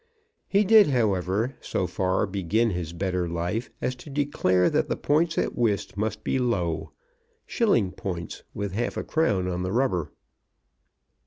He did, however, so far begin his better life as to declare that the points at whist must be low, shilling points, with half a crown on the rubber.